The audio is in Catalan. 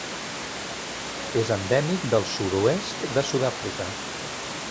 És endèmic del sud-oest de Sud-àfrica.